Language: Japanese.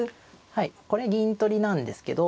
はいこれ銀取りなんですけど